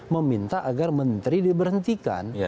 meminta agar menteri diberhentikan